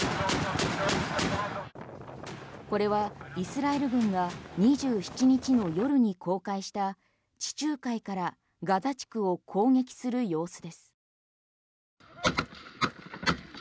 これはイスラエル軍が２７日の夜に公開した地中海からガザ地区を攻撃する様子です。